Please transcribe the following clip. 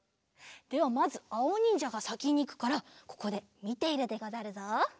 ではまずあおにんじゃがさきにいくからここでみているでござるぞ。